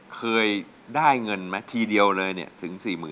เคยได้เงินไหมทีเดียวเลยเนี่ยถึง๔๐๐๐